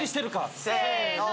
せの！